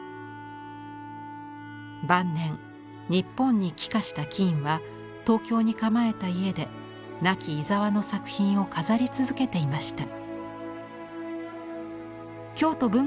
晩年日本に帰化したキーンは東京に構えた家で亡き井澤の作品を飾り続けていました。